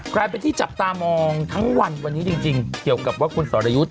กลายเป็นที่จับตามองทั้งวันวันนี้จริงเกี่ยวกับว่าคุณสอรยุทธ์